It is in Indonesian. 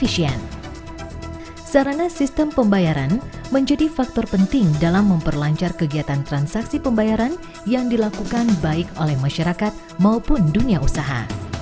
sarana sistem pembayaran menjadi faktor penting dalam memperlancar kegiatan transaksi pembayaran yang dilakukan baik oleh masyarakat maupun dunia usaha